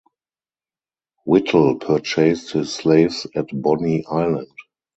Whittle purchased his slaves at Bonny Island.